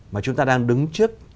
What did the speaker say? mà chúng ta đang đứng trước